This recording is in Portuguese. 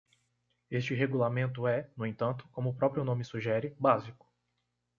Este regulamento é, no entanto, como o próprio nome sugere, básico.